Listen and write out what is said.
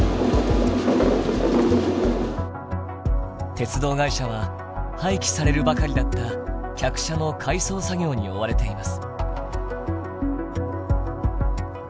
鉄道会社は廃棄されるばかりだった客車の改装作業に追われています。